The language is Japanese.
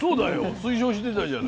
推奨してたじゃない。